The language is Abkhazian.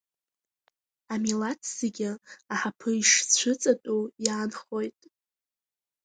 Амилаҭ зегьы аҳаԥы ишцәыҵатәоу иаанхоит.